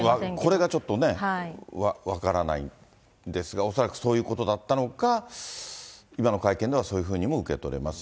これがちょっとね、分からないんですが、恐らくそういうことだったのか、今の会見ではそういうふうにも受け取れます。